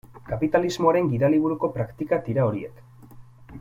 Kapitalismoaren gidaliburuko praktikak dira horiek.